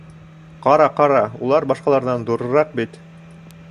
— Ҡара, ҡара, улар башҡаларҙан ҙурыраҡ бит!